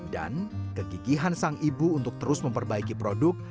dan kegigihan sang ibu untuk terus memperbaiki produk